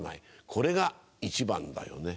これが一番だよね。